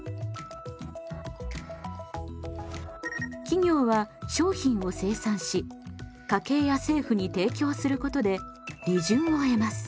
企業は商品を生産し家計や政府に提供することで利潤を得ます。